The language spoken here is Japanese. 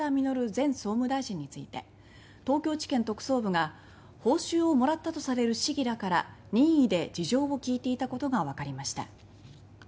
前総務大臣について東京地検特捜部が報酬をもらったとされる市議らから任意で事情を聞いていたことがわかりました。